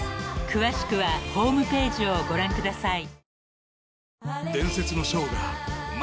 ［詳しくはホームページをご覧ください］